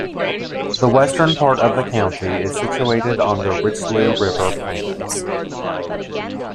The western part of the county is situated on the Richelieu River plains.